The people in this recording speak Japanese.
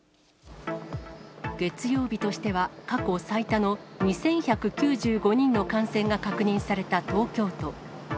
月曜日としては過去最多の２１９５人の感染が確認された東京都。